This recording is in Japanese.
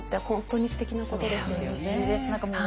本当にすてきなことですよね。